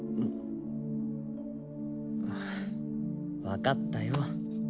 分かったよ